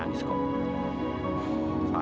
gagal sebagai burton iguacanaforce